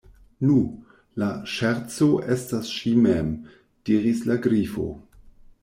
"Nu, la ŝerco estas ŝi mem," diris la Grifo.